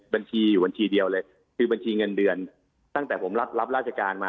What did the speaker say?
บัญชีอยู่บัญชีเดียวเลยคือบัญชีเงินเดือนตั้งแต่ผมรับราชการมา